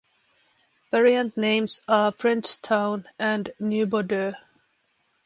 Variant names are "French Town" and "New Bordeaux".